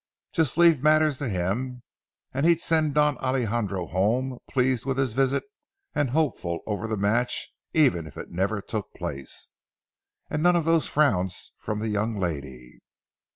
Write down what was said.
Just leave matters to him, and he'd send Don Alejandro home, pleased with his visit and hopeful over the match, even if it never took place. And none of those frowns from the young lady!"